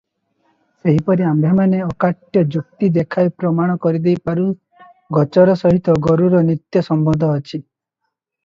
ସେହିପରି ଆମ୍ଭେମାନେ ଅକାଟ୍ୟ ଯୁକ୍ତି ଦେଖାଇ ପ୍ରମାଣ କରିଦେଇପାରୁ ଗୋଚର ସହିତ ଗୋରୁର ନିତ୍ୟ ସମ୍ବନ୍ଧ ଅଛି ।